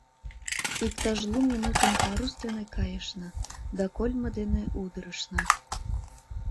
Иктаж лу минутым парус дене кайышна да кольмо дене удырышна.